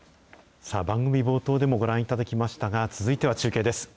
さあ、番組冒頭でもご覧いただきましたが、続いては中継です。